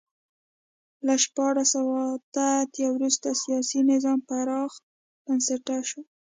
له شپاړس سوه اته اتیا وروسته سیاسي نظام پراخ بنسټه شو.